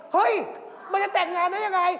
เฮ้ยมันจะแต่งงานได้ยังไง